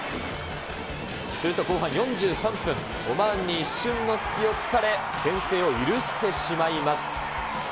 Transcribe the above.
すると後半４３分、オマーンに一瞬の隙をつかれ、先制を許してしまいます。